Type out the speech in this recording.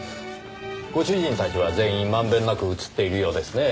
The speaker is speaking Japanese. ご主人たちは全員まんべんなく写っているようですねぇ。